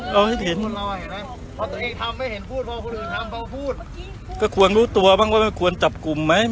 ก็เอาไว้เห็นก็ควรรู้ตัวว่าไม่ควรจับกลุ่มไหม